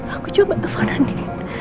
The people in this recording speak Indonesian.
aku coba telfonan nih